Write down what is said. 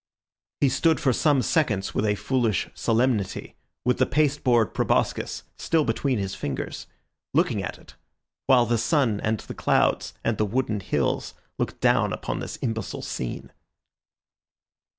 He stood for some seconds with a foolish solemnity, with the pasteboard proboscis still between his fingers, looking at it, while the sun and the clouds and the wooded hills looked down upon this imbecile scene.